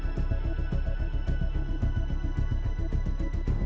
saya tidak tahu